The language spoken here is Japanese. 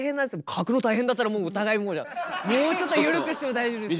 「書くの大変だったらお互いもうじゃあもうちょっとゆるくしても大丈夫ですよ」。